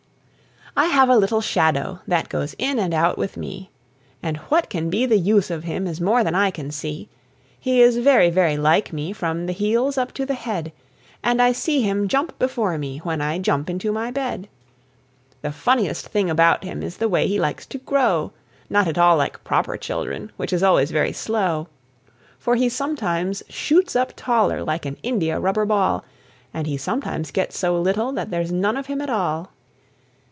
I have a little shadow that goes in and out with me, And what can be the use of him is more than I can see. He is very, very like me from the heels up to the head; And I see him jump before me, when I jump into my bed. The funniest thing about him is the way he likes to grow Not at all like proper children, which is always very slow; For he sometimes shoots up taller like an india rubber ball, And he sometimes gets so little that there's none of him at all.